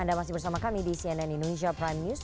anda masih bersama kami di cnn indonesia prime news